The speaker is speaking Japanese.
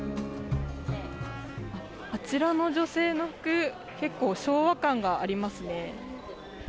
あちらの女性の服、結構、昭和感がありますね。